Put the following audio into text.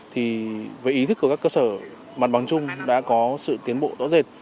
thì về ý thức của các cơ sở mặt bằng chung đã có sự tiến bộ rõ rệt